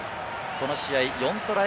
この試合４トライ